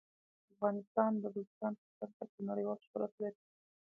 افغانستان د بزګان په برخه کې نړیوال شهرت لري.